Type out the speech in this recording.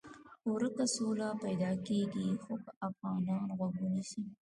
ورکه سوله پیدا کېږي خو که افغانان غوږ ونیسي.